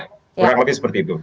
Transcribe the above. kurang lebih seperti itu